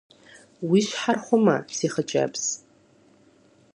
Уи щхьэр хъумэ, си хъыджэбз.